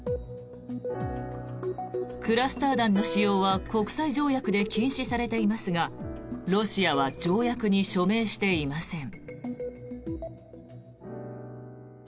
クラスター弾の使用は国際条約で禁止されていますがロシアは条約に署名していません。